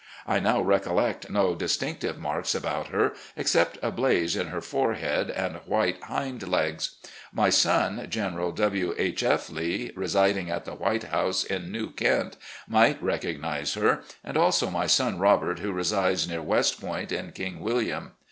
I now recollect no distinctive marks about h#: ^cept a blaze in her forehead and white hind legs, my son, General W. H. F. Lee, residing at the White House, in New Kent, might recognise her, and also my son Robert, who resides near West Point, in King WilHam.